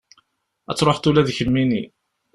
Ad truḥeḍ ula d kemmini.